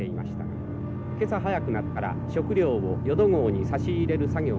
「今朝早くなったら食料をよど号に差し入れる作業が始まりました」。